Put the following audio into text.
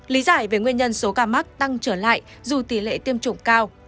lý giải về nguyên nhân số ca mắc tăng trở lại dù tỷ lệ tiêm chủng cao